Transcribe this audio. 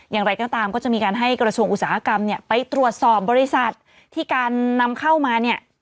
อย่างไรก็ตามก็จะมีการให้กระทรวงอุตสาหกรรมเนี่ยไปตรวจสอบบริษัทที่การนำเข้ามาเนี่ย